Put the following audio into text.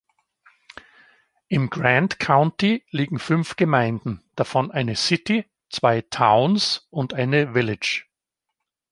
Im Grant County liegen fünf Gemeinden, davon eine "City", zwei"Towns" und eine "Village".